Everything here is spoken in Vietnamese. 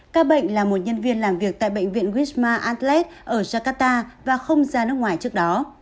các bệnh là một nhân viên làm việc tại bệnh viện wisma antlet ở jakarta và không ra nước ngoài trước đó